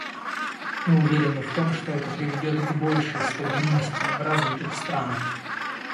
Мы уверены в том, что это приведет к большей стабильности в развитых странах.